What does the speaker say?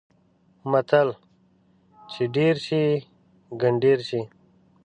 متل: چې ډېر شي؛ ګنډېر شي.